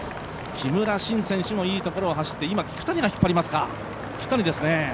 木村慎選手もいいところを走って今、聞谷が引っ張っていますか。